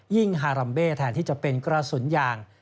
ฮารัมเบ้แทนที่จะเป็นกระสุนยาง